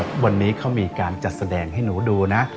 วันนี้เขามีการจัดแสดงให้หนูดูนะ